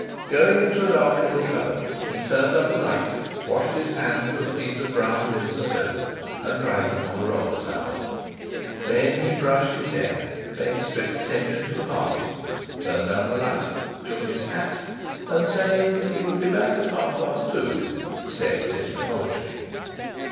Going into a dark little cupboard, he turned up the light, washed his hands with a piece of brown Windsor soap, and dried them on a roller towel. Then he brushed his hair, paying strict attention to the parting, turned down the light, took his hat, and saying he would be back at half past two, stepped into the Poultry.